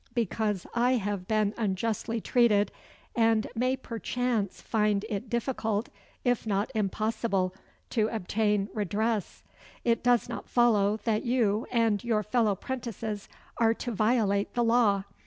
Because I have been unjustly treated, and may perchance find it difficult, if not impossible, to obtain redress, it does not follow that you and your fellow 'prentices are to violate the law.